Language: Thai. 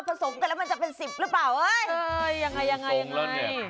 สมกันแล้วมันจะเป็นสิบหรือเปล่าเอ้ยยังไงยังไง